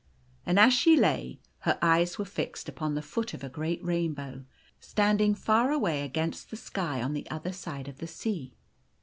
And as she lay, her eyes were fixed upon the foot of a great rainbow standing far away against the sky on the other side of the sea.